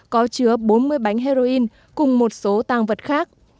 có chứa bốn mươi bánh heroin cùng một số tăng vật khác